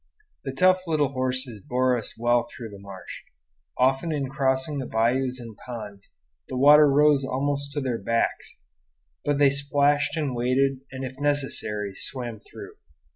The tough little horses bore us well through the marsh. Often in crossing bayous and ponds the water rose almost to their backs; but they splashed and waded and if necessary swam through.